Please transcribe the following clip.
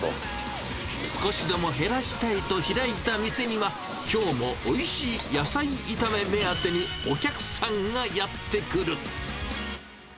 少しでも減らしたいと開いた店には、きょうもおいしい野菜炒め目当てに、お客さんがやって来る。